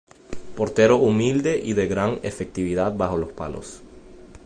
Portero humilde y de gran efectividad bajo los palos.